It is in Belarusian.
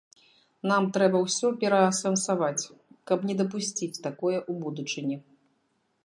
Нам трэба ўсё пераасэнсаваць, каб не дапусціць такое ў будучыні.